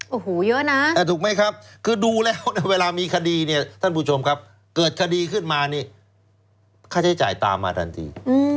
โอ้โหเยอะนะถูกไหมครับคือดูแล้วเวลามีคดีเนี่ยท่านผู้ชมครับเกิดคดีขึ้นมานี่ค่าใช้จ่ายตามมาทันที